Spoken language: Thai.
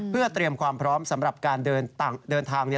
เพื่อเตรียมความพร้อมสำหรับการเดินทาง